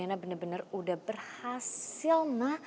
karena bener bener udah berhasil ma